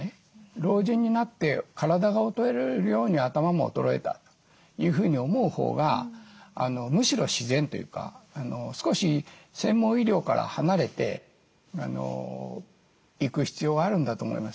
老人になって体が衰えるように頭も衰えたというふうに思うほうがむしろ自然というか少し専門医療から離れていく必要があるんだと思います。